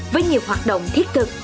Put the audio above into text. với nhiều hoạt động thiết thực